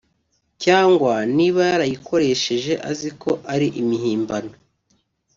cyangwa niba yarayikoresheje azi ko ari imihimbano